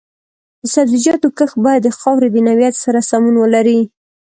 د سبزیجاتو کښت باید د خاورې د نوعیت سره سمون ولري.